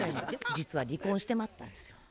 実は離婚してまったんですよ。